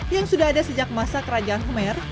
yang sudah ada sejak masa kerajaan humer